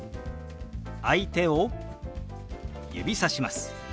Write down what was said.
相手を指さします。